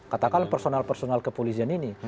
katakan personal personal kepolisian ini